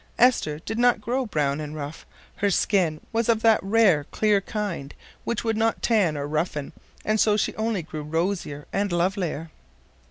Esther did not grow brown and rough. Her skin was of that rare, clear kind which would not tan or roughen, and so she only grew rosier and lovelier.